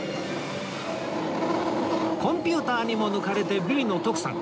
コンピューターにも抜かれてビリの徳さん